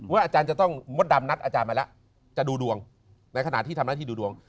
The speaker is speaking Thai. อาจารย์จะต้องมดดำนัดอาจารย์มาแล้วจะดูดวงในขณะที่ทำหน้าที่ดูดวง